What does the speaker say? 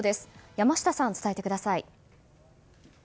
山下さん、伝えてください。